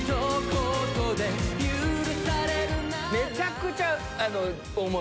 めちゃくちゃ大物。